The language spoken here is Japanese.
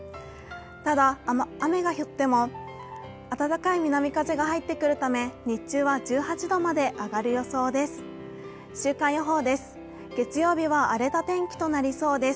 ただ雨が降っても暖かい南風が入ってくるため日中は１８度まで上がる予想です。